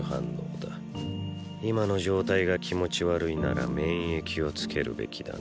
今の状態が気持ち悪いなら免疫をつけるべきだな。